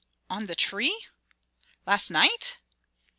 "On the tree? Last night?"